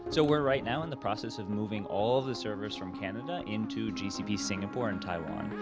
kami sedang berusaha mengubah semua server dari kanada ke gcp singapura dan taiwan